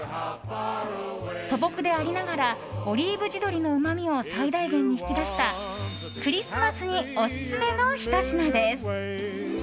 素朴でありながらオリーブ地鶏のうまみを最大限に引き出したクリスマスにオススメのひと品です。